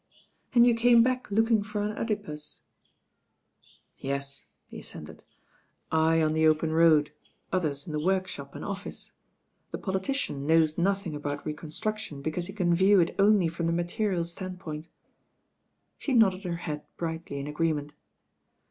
"And you came back looking for an CEdipus." "Yes," he assented. "I on the open road, others in the workshop and office. The politician knows nothing about reconstruction, because he can view it only from the material standpoint." She nodded her head brightly in agreement.